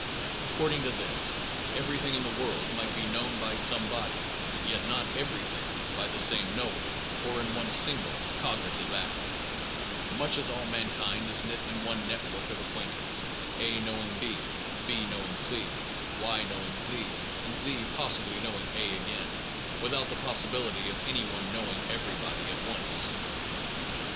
According to this, everything in the world might be known by somebody, yet not everything by the same knower, or in one single cognitive act, much as all mankind is knit in one network of acquaintance, A knowing B, B knowing C, Y knowing Z, and Z possibly knowing A again, without the possibility of anyone knowing everybody at once.